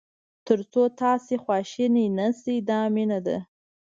تر څو تاسو خواشینی نه شئ دا مینه ده.